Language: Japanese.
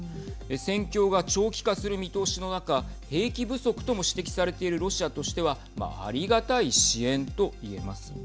戦況が長期化する見通しの中兵器不足とも指摘されているロシアとしてはありがたい支援といえます。